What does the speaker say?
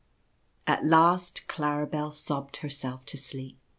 At last Claribel sobbed herself to sleep.